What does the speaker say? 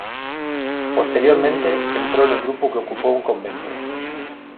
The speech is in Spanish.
Posteriormente, entró en un grupo que ocupó un convento.